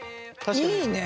いいね！